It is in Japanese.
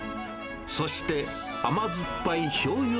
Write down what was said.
そして、甘酸っぱいしょうゆ